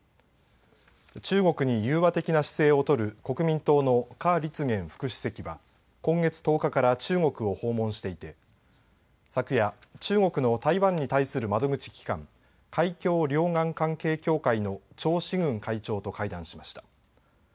中国に融和的な姿勢を取る国民党の夏立言副主席は今月１０日から中国を訪問していて昨夜、中国の台湾に対する窓口機関、海峡両岸関係協会の張志軍会長と会談しました。